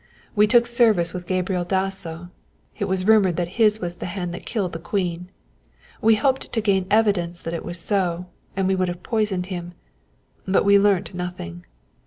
We took service with Gabriel Dasso it was rumoured that his was the hand that killed the Queen. We hoped to gain evidence that it was so, and we would have poisoned him. But we learnt nothing.